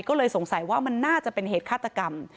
ก็เลยสงสัยว่ามันน่าจะเป็นเหตุฆาตกรรม